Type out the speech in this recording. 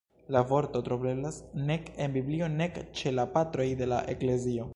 La vorto troveblas nek en Biblio nek ĉe "la Patroj de la Eklezio".